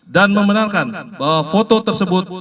membenarkan bahwa foto tersebut